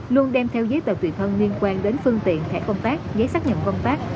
luôn đem theo giấy tờ tùy thân liên quan đến phương tiện thẻ công tác giấy xác nhận công tác